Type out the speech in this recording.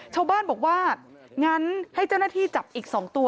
ชาวบ้านบอกว่างั้นให้เจ้าหน้าที่จับอีก๒ตัว